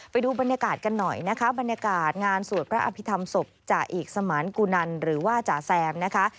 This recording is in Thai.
ไปดูบรรยากาศกันหน่อยนะคะบรรยากาศงานสวดพระอภิษฐรรมศพจ่าเอกสมานกุนันหรือว่าจ๋าแซมนะคะ